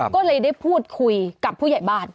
ก็เลยได้พูดคุยกับผู้ใหญ่บ้าน